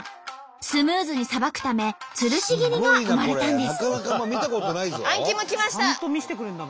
スムーズにさばくためつるし切りが生まれたんです。